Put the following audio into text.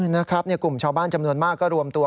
นะครับกลุ่มชาวบ้านจำนวนมากก็รวมตัว